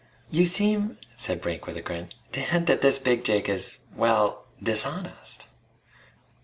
"You seem," said Brink with a grin, "to hint that this Big Jake is ... well ... dishonest."